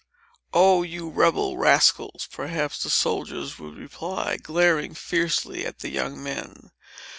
"Oh, you rebel rascals!" perhaps the soldiers would reply, glaring fiercely at the young men.